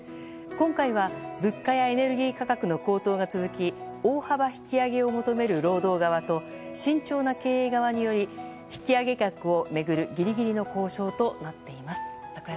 今回は、物価やエネルギー価格の高騰が続き大幅引き上げを求める労働側と慎重な経営側の引き上げ額を巡るギリギリの交渉となっています。